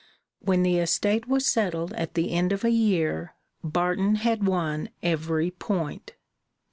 When the estate was settled at the end of a year, Barton had won every point.